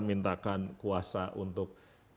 minta kuasa untuk